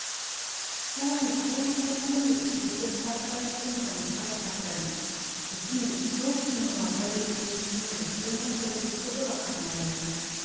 さらに後遺症のために仕事を再開するのが難しかったり時に長期にわたる定期通院が必要になったりすることが考えられます。